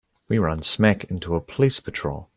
We run smack into a police patrol.